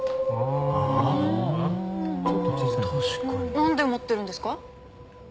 なんで持ってるんですか？